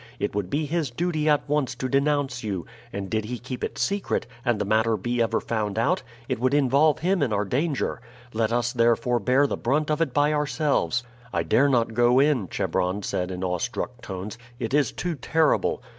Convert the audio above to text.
It would be his duty at once to denounce you; and did he keep it secret, and the matter be ever found out, it would involve him in our danger. Let us therefore bear the brunt of it by ourselves." "I dare not go in," Chebron said in awestruck tones. "It is too terrible."